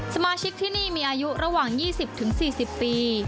สมาชิกที่นี่มีอายุระหว่าง๒๐๔๐ปี